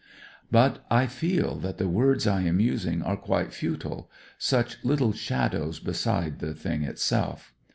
" But I feel that the words I am using are quite futile — such little shadows be side the thing itself.